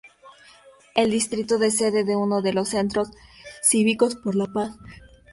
El distrito es sede de uno de los Centros Cívicos por la Paz.